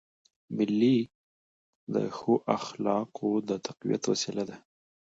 مېلې د ښو اخلاقو د تقویت وسیله دي.